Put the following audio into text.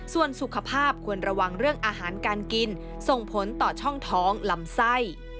ส่วนสุขภาพควรระวังเรื่องอาหารการกินส่งผลต่อช่องท้องลำไส้